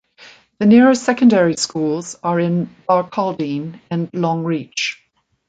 The nearest secondary schools are in Barcaldine and Longreach.